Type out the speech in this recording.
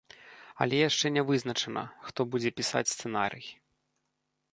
Але яшчэ не вызначана, хто будзе пісаць сцэнарый.